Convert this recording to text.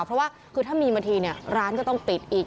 เพราะว่าคือถ้ามีมาทีเนี่ยร้านก็ต้องปิดอีก